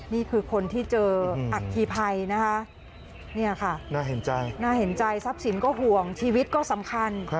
นี่คือคนที่เจออักษีภัยนะคะนี่ค่ะน่าเห็นใจซับสินก็ห่วงชีวิตก็สำคัญ